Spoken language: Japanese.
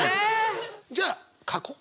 じゃあ書こう。